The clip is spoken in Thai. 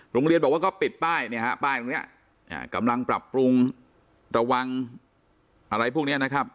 โรงเรียนบอกว่าก็ปิดป้ายเนี่ยฮะป้ายตรงนี้กำลังปรับปรุงระวังอะไรพวกนี้นะครับ